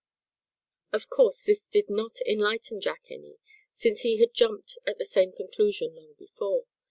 Of course this did not enlighten Jack any, since he had jumped at the same conclusion long before.